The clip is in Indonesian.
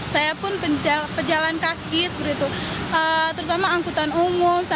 saya pun pejalan kaki seperti itu terutama angkutan umum